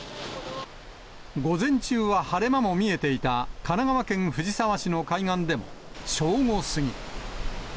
午前中は晴れ間も見えていた神奈川県藤沢市の海岸でも、正午過ぎ。